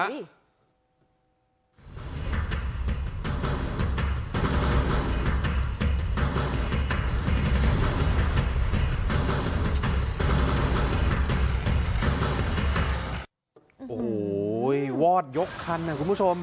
โอ้โหวอดยกคันนะคุณผู้ชม